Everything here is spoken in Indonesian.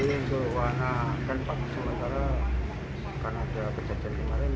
ini adalah satu dari beberapa hal yang terjadi di kolam renang